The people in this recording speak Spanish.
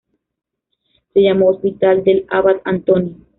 Se llamó Hospital del Abad Antonio.